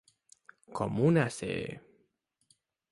Com un ase.